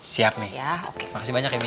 siap mi makasih banyak ya mi